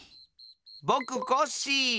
ぼくコッシー！